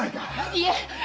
いえ